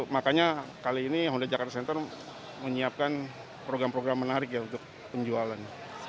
makanya kali ini honda jakarta center menyiapkan program program menarik ya untuk penjualan